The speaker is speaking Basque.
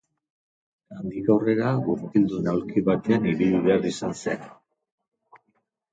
Handik aurrera, gurpildun aulki batean ibili behar izan zen.